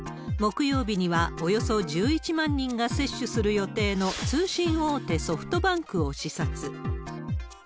木曜日にはおよそ１１万人が接種する予定の通信大手、ソフトバンクを視察。